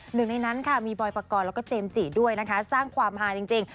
หนึ่งในนั้นค่ะมีบอยปกรณ์แล้วก็เจมส์จิด้วยนะคะสร้างความฮาจริง